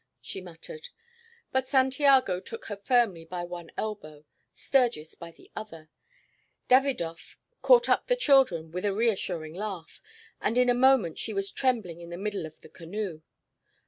she muttered. But Santiago took her firmly by one elbow, Sturgis by the other, Davidov caught up the children with a reassuring laugh, and in a moment she was trembling in the middle of the canoe.